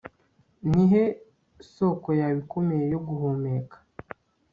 Nihe soko yawe ikomeye yo guhumeka